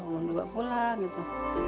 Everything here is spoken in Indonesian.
belum pulang gitu